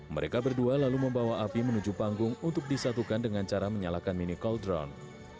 mereka berdua lalu membawa api menuju panggung untuk disatukan dengan cara menyalakan mini call drone